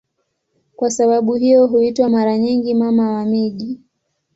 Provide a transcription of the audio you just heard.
Kwa sababu hiyo huitwa mara nyingi "Mama wa miji".